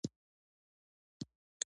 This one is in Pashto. زه د خندا پروګرامونه تعقیبوم.